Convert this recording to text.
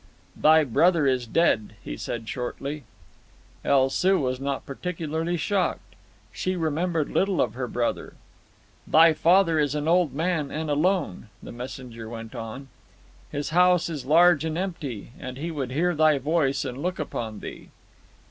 "Thy brother is dead," he said shortly. El Soo was not particularly shocked. She remembered little of her brother. "Thy father is an old man, and alone," the messenger went on. "His house is large and empty, and he would hear thy voice and look upon thee."